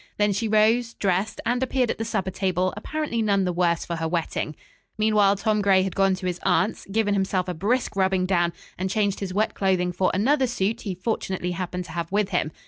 Then she rose, dressed and appeared at the supper table apparently none the worse for her wetting. Meanwhile Tom Gray had gone to his aunt's, given himself a brisk rubbing down and changed his wet clothing for another suit he fortunately happened to have with him.